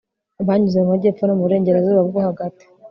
banyuze mu majyepfo no mu burengerazuba bwo hagati